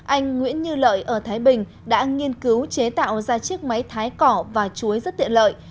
anh nguyễn như lợi ở thái bình đã nghiên cứu chế tạo ra chiếc máy thái cỏ và chuối rất tiện lợi